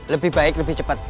lebih baik lebih cepet